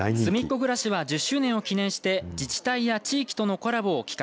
ぐらしは１０周年を記念して自治体や地域とのコラボを企画。